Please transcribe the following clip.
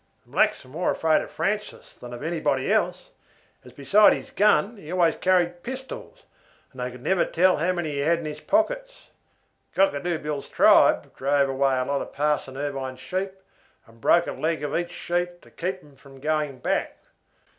The blacks were more afraid of Francis than of anybody else, as besides his gun he always carried pistols, and they never could tell how many he had in his pockets. Cockatoo Bill's tribe drove away a lot of Parson Irvine's sheep, and broke a leg of each sheep to keep them from going back.